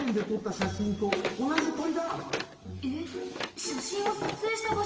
しゃしんをさつえいしたばしょがわかるの？